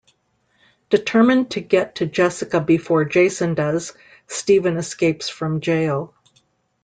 Determined to get to Jessica before Jason does, Steven escapes from jail.